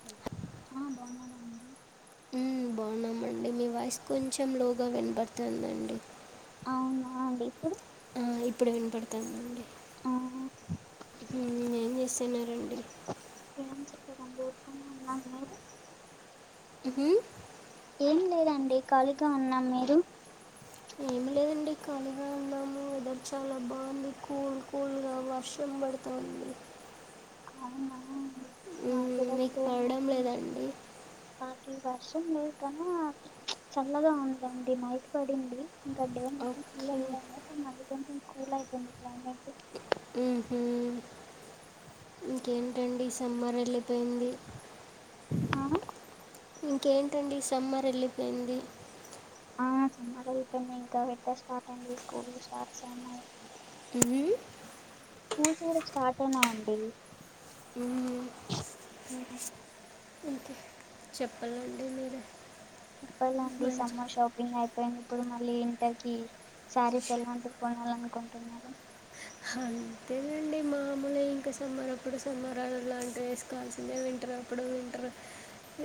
Hello ఆ బావున్నారా అండి? అండి మీ వాయిస్ కొంచెం లోగా వినపడుతుందండి. అవునా అండి ఇప్పుడు ఆ ఇప్పుడు వినపడుతాందండి ఆ మ్ ఏం చేస్త తిన్నారండి ఏం చెప్పదండి ఉరకనే ఉన్నాం మీరు? ఉహు ఏం లేదండి ఖాళీగా ఉన్నాం మీరు? ఏమి లేదండి కలిగా ఉన్నాము. వెదర్ చాలా బావుంది. కూల్ కూల్ గా వర్షం బడుతుంది అవునా మాకు మ్ కూడా మీకు పడడం లేదండి. ఈ వర్షం లేదు కన్నా చల్లగా ఉందండి నైట్ పడింది. ఇంకా డే మొత్తం ఫుల్ ఓకే. ఎండ అండి ఇక మళ్ళీ కొంచెం కూల్ అయితుంది క్లైమేట్. హ్మ్హు ఇంకేంటండి సమ్మర్ వెళ్ళిపోయింది. ఆ ఇంకేంటండి ఈ సమ్మర్ వెళ్ళిపోయింది. ఆ సమ్మర్ వెళ్ళిపోయింది ఇంకా. వింటర్ స్టార్ట్ అయింది. స్కూల్స్ స్టార్ట్ అయినాయి. ఉహు స్కూల్స్ కూడా స్టార్ట్ అయినాయండి. హ్మ్. ఇంకే చెప్పాలండి మీరు చెప్పాలండి సమ్మర్ షాపింగ్ అయిపోయింది. ఇప్పుడు మళ్ళీ ఇంటకి శారీస్ ఎలాంటివి కొనాల అనుకుంటున్నారు? అంతేనండి మామూలు ఇంకా సమ్మారప్పుడు సమ్మరాళ్ లాంటి వేసుకోవాల్సిందే వింటా అప్పుడు ఇంటరు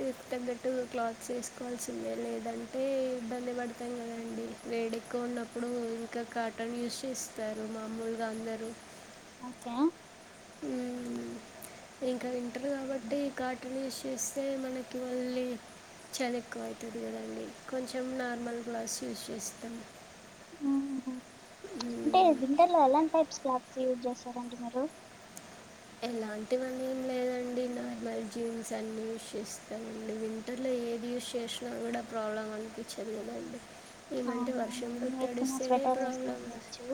ఏ తగ్గట్టు క్లాత్స్ వేసుకోవాల్సిందే లేదంటే ఇబ్బంది పడతాం కదండి. వేడి ఎక్కువ ఉన్నప్పుడు ఇంకా కాటన్ యూస్ చేస్తారు మామూలుగా అందరూ క్యా [inaudible] ఇంక ఇంటర్ కాబట్టి ఈ కార్టన్ యూస్ చేస్తే మనకి మళ్ళీ చలి ఎక్కువ అవుతుంది కదండి కొంచెం నార్మల్ గ్లాస్ యూస్ చేస్తాం. ఆహా అంటే మ్మ్. వింటర్ లో ఎలాంటి టైప్స్ క్లాత్స్ యూజ్ చేస్తారండి మీరు? ఎలాంటివన్నీ లేదండి నార్మల్ జీన్స్ అన్ని యూస్స్తామండి వింటర్లే ఏది యూస్ చేసిన కూడా ప్రాబ్లం అనిపించదు గదండి. అవునవును నేను కూన స్వెటర్ ప్రాబ్లం వేసుకోండవచ్చు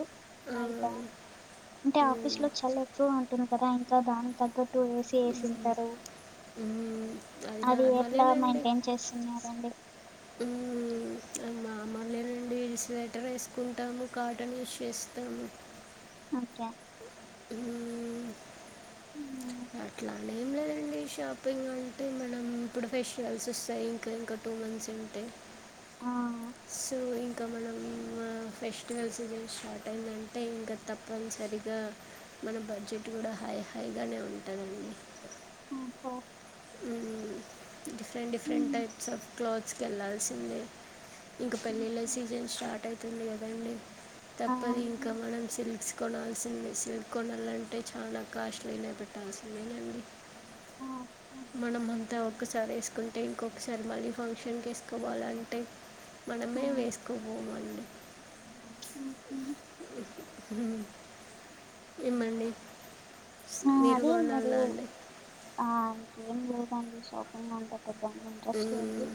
ఆ, అయిగా అంటే ఆఫీస్ మ్, లో చలి ఎక్కువ ఉంటుంది కదా ఇంట్లో దానికి తగ్గట్టు ఏసీ మ్, వేసింటారు. మ్, అది ఎట్లా నార్మలేనండి మెయింటైన్ చేస్తున్నదండి మ్ మాములే అండి స్వెటర్ వేసుకుంటాము కాటన్ యుస్ చేస్తాము ఓకే మ్మ్. అట్లాని ఏం లేదండి షాపింగ్ అంటే మనం ఇప్పుడు ఫెషియల్స్ వస్తాయి ఇంకా ఇంక టూ మంత్స్ ఉంటే ఆ సో ఇంకా మనం ఫెస్టివల్ సీజన్ స్టార్ట్ అయిందంటే ఇంకా తప్పనిసరిగా మన బడ్జెట్ కూడా హై హైయిగానే ఉంటదండి ఓహో డిఫరెంట్ డిఫరెంట్ మ్మ్. టైప్స్ ఆఫ్ క్లాత్స్కి వెళ్ళాల్సిందే ఇంకా పెళ్ళిళ్ళ సీజన్ స్టార్ట్ అవుతుంది కదండడి ఆ తప్పదు ఇంకా మనం సిల్క్స్ కొనాల్సిందే సిల్క్ కొనాలంటే చాలా కాస్ట్లీనే పెట్టాల్సిందేనండి ఆ ఆ, మనం అంతా ఒక్కసారి వేసుకుంటే ఇంకొకసారి మళ్ళీ ఫంక్షన్ కేసుకోవాలంటే ఆ. మనమే వేసుకోపోమండి అహ ఏమండి స్- ఆ అదే మీరు కొనాలా అండి ఆ ఏం లేదండి షాపింగ్ లో అంతా పెద్ద ఇంట్రెస్ట్ లేదు మ్మ్.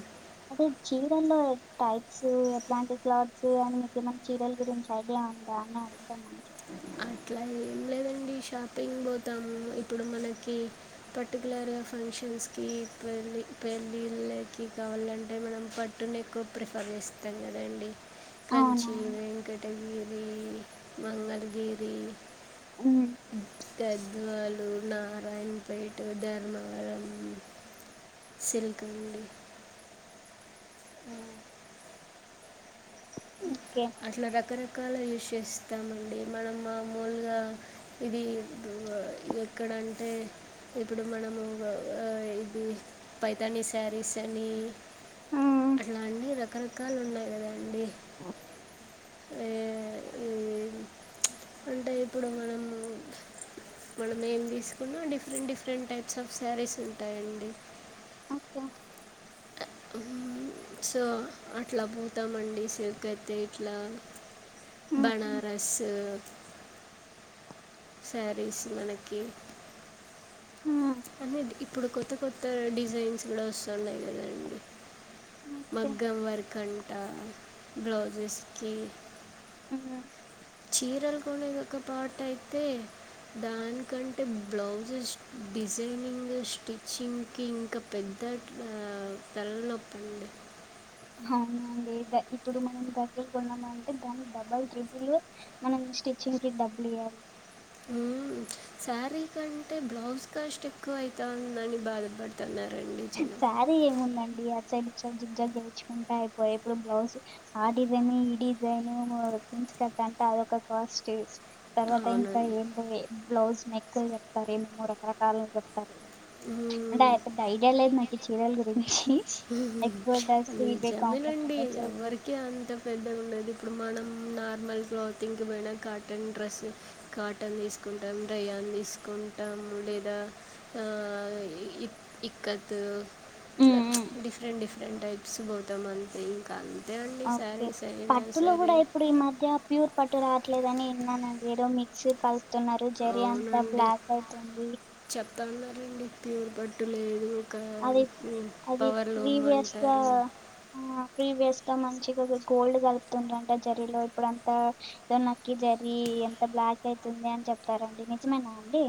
అదే చీరాల్లో టైప్స్ ఎట్లాంటి క్లాత్స్ అని మీకు ఏమన్నా చీరల గురించి ఐడియా ఉందా అని అది అట్లా ఏం లేదం డి షాపింగ్ పోతాము ఇప్పుడు మనకి పర్టికులర్ ఫంక్షన్స్ కి ల్లి పెళ్ళిళ్ళకి కావాలంటే మనం పట్టునేక్కువ ప్రిఫర్ చేస్తాం కదండి అవునా కంచిీ వెంకటగిరి మంగళగిరి ఉమ్, అ గద్వాలు నారాయణపేట్ ధర్మవరం సిల్క్ అండి ఓకే అట్లా రకరకాల ఎష్ చేస్తామండి మనం మూలుగా ఇది ఎక్కడంటే ఇప్పుడు మనము అ ఇది పైతానీ శారీస్ అని ఉమ్, అట్లా అన్ని రకరకాలు ఉన్నాయి కదా అండి ఆ ఈ అంటే ఇప్పుడు మనం మనం ఏం తీసుకున్నా different different types of saris ఉంటాయండి ఓకే సో అట్లా పోతామండి సెవక్ అయితే ఇట్లా ఉమ్, ఉమ్, బనారస్ సారీస్ మనకి ఉమ్, అన్నిటికీ ఇప్పుడు కొత్త కొత్త డిజైన్స్ కూడా వస్తున్నాయి కదండి ఓకే మగ్గం వర్క్ అంట బ్లౌజెస్కి మ్ చీరలు కొనేది ఒక పట్ అయితే దానికంటే బ్లౌజస్ డిజైనింగ్ స్టిచ్చింగ్ కి ఇంకా పెద్ ద్ద అ తలా నొప్పి అండి అవునండి ద ఇప్పుడు మనం డ్రెస్సెస్ కొన్నమంటే దానికి డబల్ ట్రిపుల్ మనం స్టిచ్చింగ్ కి డబ్బలీయలీ ఉ శారీ కంటే బ్లౌజ్ కాస్ట్ ఎక్కువ అయితాందని బాధపడుతున్నారు సారీ ఏముందండి ఆ చెడి జిగ్ జగ్చ్చుకుంటా అయిపోయాయి ఇప్పుడు బ్లౌజ్ ఆ డిజైన్ ఈ డిజైన్ పిన్స్ క టే అదొక కాస్ట్ తర్వాత ఇంకా అవునండి. ఏందో బ్లౌజ్ నెక్లు చెప్తారు ఏమేమో రకరకాల చెప్తారు హ్మ్. అంటే అతే బైడి లే నాకు చీరలు గురి కంఫర్ట్ నిజమేనండి డ్రెస్ ఇవే ఎవరికి అంత పెద్దగ ఉండదు ఇప్పుడు మనం నార్మల్ క్లాతింగ్కి పోయినా కాటన్ డ్రెస్సు కాటన్ తీసుకుంటాం రేయాన్ తీసుకు ఉంటాము లేదా ఆ ఇ ఇక్కట్ ఉమ్, ఉమ్. డిఫరెంట్ డిఫరెంట్ టైప్స్ పోతాం అంతే ఇంకా అ ఓకే పట్టులో కూడా ఇప్పుడు ఈ మధ్య ప్యూర్ పట్ రాట్లేదు అని విన్నానండి ఏదో మిక్స్ క న్నారు జరీ అంతా బ్లాక్ అయితుంది తల్ల రండి ప్యూర్ పట్టు లేదు ఒక అది అది పవర్ లూమ్ ప్రీవిస్గా అంటారు ప్రీవిస్ ఇ మంచిగా గోల్డ్ కలుపుతుర్రంతా జర్రీలో ఇప్పుడు అంత నక్కీ జర్రీ ఎంత బ్లాక్ క్ అయితుంది అని చెప్తారండి నిజమేనా అండి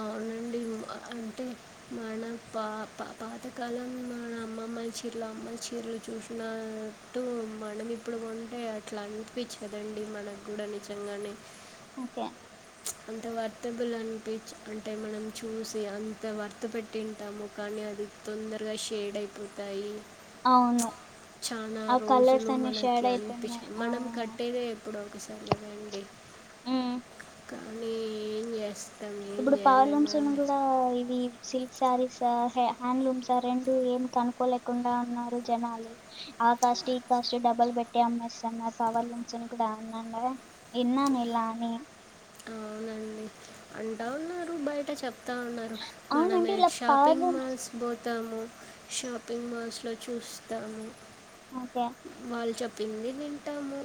అవునండి అంటే మన పా పా పాతకాలం మన అమ్మ అమ్మాయి చీరలు అమ్మాయి చీరలు చూసినట్టు మనం ఇప్పుడు కొంటే అట్లా అనిపించి కదండీ మనగ్గూడా నిజంగానే ఓకే అంత వర్త్ బులు అనిపించి అంటే మనం చూసి అంత వర్త్ పెట్టింటాము కానీ అది తొందరగా షేడ్ అయిపోతాయి అవును చాలా ఆ కలర్స్ రోజులు అన్ని మనకి షేడ్ అయితున్నాయి అనిపించింది ఆ మనం కట్టేదె ఎప్పుడు ఒకసారి చలవండి ఉమ్ కానీ ఏం చేస్తాం ఏం ఇప్పుడు పావలమ్స్ ను చేయలేమండి కూడా ఇది శిల్పి సారీ సార్ హ్యాండ్లూమ్ సార్ రెండు ఏం కనుక్కోలేకుండా ఉన్నారు జనాలు ఆగా స్టీ కాస్ట్ డబల్ పెట్ట మస్ పవర్ నుంచని కూడా ఉన్నాన విన్నాను ఇలా అని అవునండి అంటా ఉన్నారు బయట చెప్ టా ఉన్నారు అవునండి మనమే ఇలా పవర్ షాపింగ్ లూమ్స్ మాల్స్ బ తాము షాపింగ్ మాల్స్ లో చూస్తాము ఓకే. వాళ్ళు చెప్ పిండి తింటాము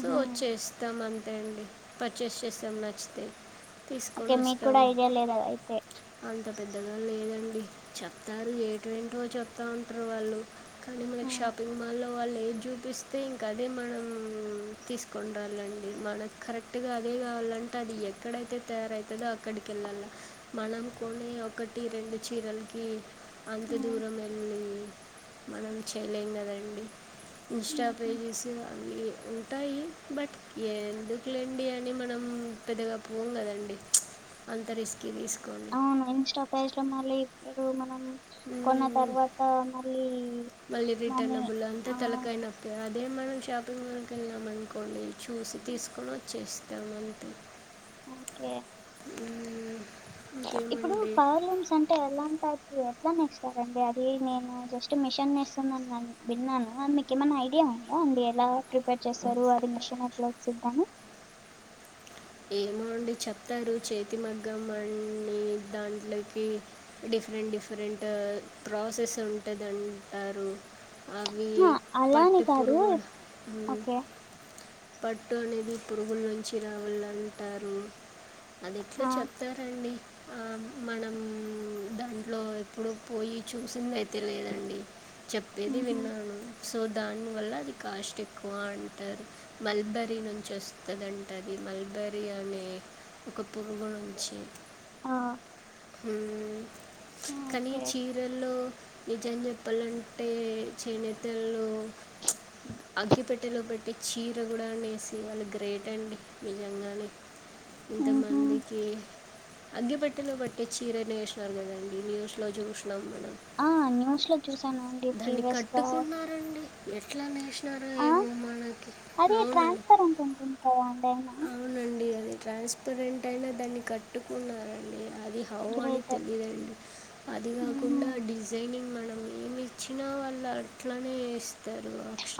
సో చేస్తాం అంతే అండి పర్చేస్ చేస్తాం నచ్చితే ఓకే తీసుకొని మీకు కూడా ఐడియా లేదా అయితే ఇంత పెద్దగా లేదండి చెప్తారు ఏటుంటో చెప్తా ఉంటారు వాళ్ళు కానీ మనకి హ్మ్. షాపింగ్ మాల్లో వాళ్ళు ఏది చూపిస్తే ఇంకా అదే మనం తీసుకుని రాలండి మనకు కరెక్ట్ అట్టుగా అదే కావాలంటే అది ఎక్కడైతే తయారయితదో అక్కడికి వెళ్ళాల మనం కొనే ఒక ఈ రెండు చీరలకి అంత హ్మ్. దూరం వెళ్ళి మనం చేయలేంగదండి ఇంస్టా హుహు. పేజెస్ అవి ఉంటాయి బట్ ఎందుకులే అండి అని మనం పెద్దగా పోమ్ కదండి అంతరిష్ట అవును ఇన్స్టా పేజ్ లో మళ్ళీ ఇప్పుడు మనం కొన్న మ్మ్. తర్వాత మళ్ళీ మళ్ళీ మనీ ఆ అదేం మనం షాపింగ్ మాల్కి వెళ్ళామ అనుకోండి చూసి తీసుకొని వచ్చేస్తాం అంతే ఓకే మ్మ్. ఇప్పుడు ఇంకేమండి పవర్ లూమ్స్ అంటే ఎలాంటి టైప్ ఎట్లానేేస్తారండి అది నేను జస్ట్ మిషన్ నేస్తునని న విన్నాను అది మీకు ఏమైన్నా ఐడియా ఉందా అడి ఎలా ప్రిపేర్ చేస్తారు అది మెషిన్ ఎట్లా వచ్చిద్దాని ఏమోండి చెప్తారు చేతి మగ్గం అని దాంట్లోకి డిఫరెంట్ డిఫరెంట్ ప్రాసెస్ ఉంటది అంటారు అవి అహా! అలా అని పట్టి కాదు. పురుగు ఉ ఓకే. పట్టు అనేది పురుగుల నుంచి రావాల అంటారు అది ఎట్లా ఆ! చెప్తారండి ఆ మనం దాంట్లో ఎప్పుడు పోయి చూసిందయితే లేదండి చెప్పేది హుహు. విన్నాను సో దాని వల్ల అది కాస్ట్ ఎక్కువ అంటారు మల్బరీ నుంచి వస్తుందింటది మల్బరీ అనే ఒక పురుగు నుంచి ఆ! ఉ కానీ ఓకే. చీరల్లో నిజం చెప్పాలంటే చేనేతల్లో అగ్గిపెట్టెలో పెట్టి చీర కూడా నేసి వాళ్ళు గ్రేట్ అండి నిజంగానే ఊహూ ఇంతమందికి అగ్గిపెట్టిలో పట్టే చీర నేసినారు కదండీ న్యూస్ లో చూసిన నం మనం ఆ న్యూస్ లో చూసానండి దాన్ని ప్రీవియస్ గా కట్టుకున్నారండి ఎట్లా నేసి ఆ అది అవునండి ట్రాన్స్పరెంట్ ఉంటుంది కదా అండి అయినా అవును అండి అది ట్రాన్స్పరెంట్ అయినా దాన్ని కట్టుకున్నారండి అది హౌ అని గ్రేట్ తెలియదండి అది ఊహూ కాకుండా డిజైనింగ్ మనం మేమి ఇచ్చినా వాళ్ళు అట్లనే వే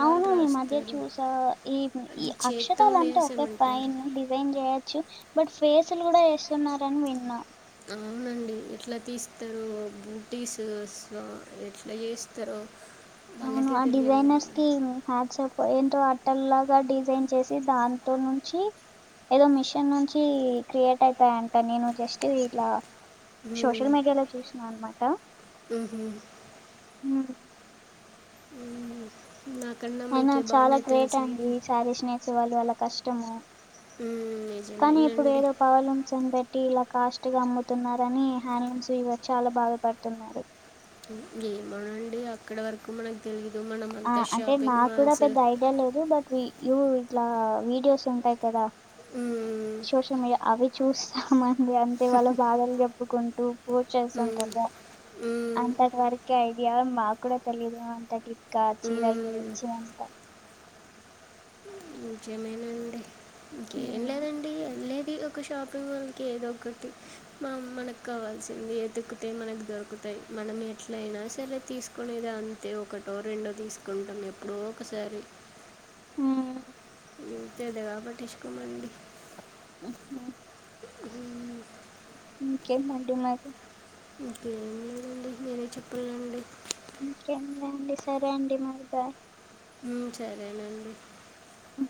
అవును ఈ మధ్య చూసా ఈ ఈ అది చేత్తో అక్షరాలంటే ఒకే నేసమంటారు పైన్ డి జైన్ చేయొచ్చు బట్ ఫేసులు కూడా వేస్తున్నారని విన్నా అవునండి ఎట్లా తీస్తారు బూటీస్ ఎట్లా చేస్తారో అవును వాళ్ళకే ఆ డిజైైనర్స్ తెలియాలండి కి హ్యాచ్ ఏంటో అట్టల్లా గా డిజైన్ చేసి దాంతో నుంచి ఏదో మిషన్ నుంచి క్రియేట్ అయితాయంట నేను జస్ట్ ఇలా మ్మ్. సోషల్ మీడియాలో చూసినా అన్నమాట ఉమ్ ఉహు అయినా చాలా గ్రేట్ అండి ఈ శారీస్ నేసేవాళ్లు వాళ్ళ కష్టము మ్మ్. కానీ ఇప్పుడు నిజమేనండి ఏదో పవర్లూమ్స్ అని పెట్టి ఇలా కాస్ట్ గా అమ్ముతున్నారని హ్యాండ్లూమ్స్ చాలా బాధపడుతున్నారు ఏమో అండి అక్కడ వరకు మనకు తెలి ఆ అంటే నాకు కూడా పెద్ద ఐడియా లేదు బట్ ఇట్లా వీడియోస్ ఉంటాయి కదా ఉ సోషల్ మీడియా అవి చూస్తామండి అంతే వాళ్ళు బాధలు చెప్పుకుంటూ పోస్ట్ మ్మ్. చేస్తుంటారు మ్మ్. అంటీవరకే ఐడియా మా కూడా తెలీదు అంత టిక్క చీరల మ్మ్. గురించి అంత ఇంకేమైనా అండి ఇంకేం ఉమ్. లేదండి ఎం లెద్ ఈ ఒక షాపింగ్ మాల్ కి ఏదో ఒకటి మ మనకు కావాల్సింది ఏతుకుతే మనకి దొరుకుత మనం ఎట్లయినా సరే తీసుకునేద అంతే ఒకటో రెండో తీసుకుంటాం ఎప్పుడో ఒకసారి మ్ పెద్దగా పట్టించుకోమండి మ్ ఏమంటున్నారు ఇంకేం లేదండి మీరే చెప్పలండి ఇంకేం లే అండి సరే అండి మరి బాయ్ మ్ సరేనండి ఓకే